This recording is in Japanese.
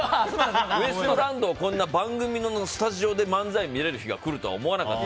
ウエストランドをこんな番組のスタジオで漫才見れる日が来るとは思わなかった。